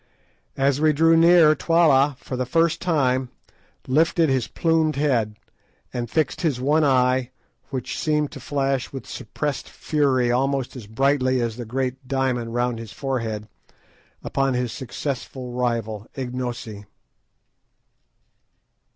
As we drew near, Twala, for the first time, lifted his plumed head, and fixed his one eye, which seemed to flash with suppressed fury almost as brightly as the great diamond bound round his forehead, upon his successful rival—Ignosi.